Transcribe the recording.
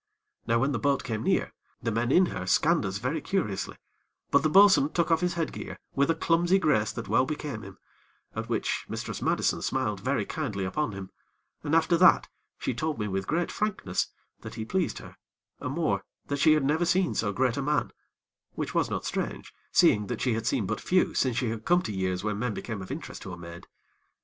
Now when the boat came near, the men in her scanned us very curiously, but the bo'sun took off his head gear, with a clumsy grace that well became him; at which Mistress Madison smiled very kindly upon him, and, after that, she told me with great frankness that he pleased her, and, more, that she had never seen so great a man, which was not strange seeing that she had seen but few since she had come to years when men become of interest to a maid.